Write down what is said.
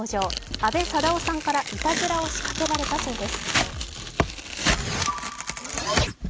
阿部サダヲさんからいたずらを仕掛けられたそうです。